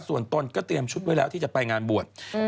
ส่วนตนก็เตรียมชุดไว้แล้วที่จะไปงานบวช